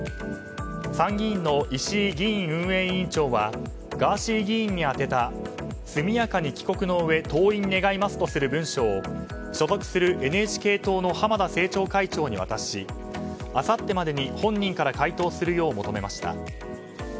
参議院の石井議院運営委員長はガーシー議員に宛てた速やかに帰国のうえ登院願いますとする文書を所属するＮＨＫ党の浜田政調会長に渡しあさってまでに本人から回答するよう求めました。